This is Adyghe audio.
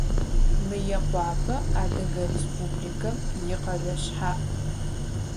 Мыекъуапэ Адыгэ Республикэм икъэлэ шъхьаӏ.